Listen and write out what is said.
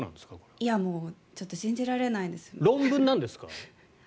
いやちょっと信じられないです。